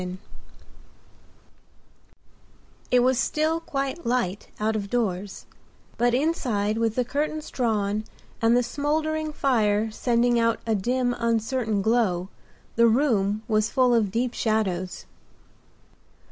THE KISS It was still quite light out of doors, but inside with the curtains drawn and the smouldering fire sending out a dim, uncertain glow, the room was full of deep shadows.